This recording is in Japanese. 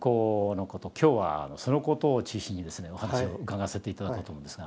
今日はそのことを中心にですねお話を伺わせて頂こうと思うんですが。